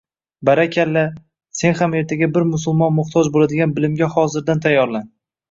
— Barakalla, sen ham ertaga bir musulmon muhtoj bo'ladigan bilimga hozirdan tayyorlan.